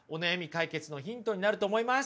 解決のヒントになると思います。